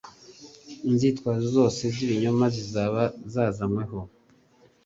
Inzitwazo zose z'ibinyoma zizaba zayanyweho.